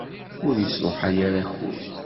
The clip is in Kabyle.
Ur isṛuḥay ara akud.